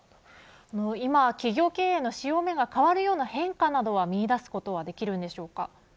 今、企業経営の潮目が変わるような変化などは見いだすことはできるんでしょうか。